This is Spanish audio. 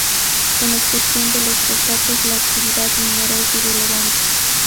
Con excepción de los fosfatos, la actividad minera es irrelevante.